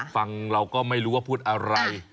ฟังเราก็ไม่รู้ว่าพูดอะไร